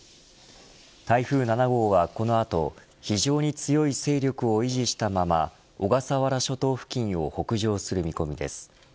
台風７号は、この後非常に強い勢力を維持したまま小笠原諸島付近を北上する見込みです。